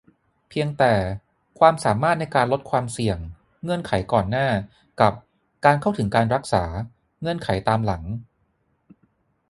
เพียงแต่ "ความสามารถในการลดความเสี่ยง" เงื่อนไขก่อนหน้า กับ "การเข้าถึงการรักษา" เงื่อนไขตามหลัง